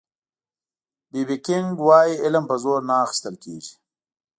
بي بي کېنګ وایي علم په زور نه اخيستل کېږي